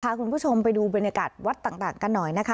พาคุณผู้ชมไปดูบรรยากาศวัดต่างกันหน่อยนะคะ